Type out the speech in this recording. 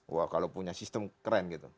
wah kalau punya sistem keren gitu